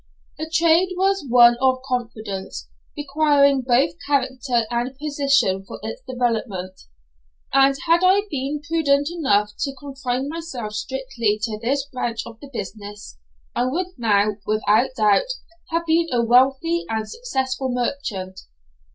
The trade was one of confidence, requiring both character and position for its development, and had I been prudent enough to confine myself strictly to this branch of the business, I would now, without doubt, have been a wealthy and successful merchant.